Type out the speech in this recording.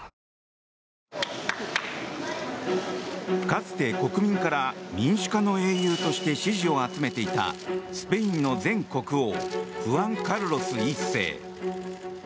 かつて、国民から民主化の英雄として支持を集めていたスペインの前国王フアン・カルロス１世。